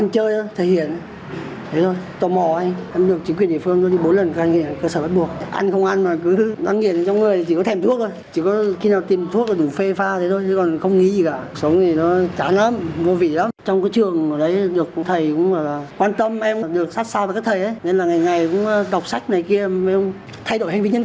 để thay đổi hành vi nhân cách của mình anh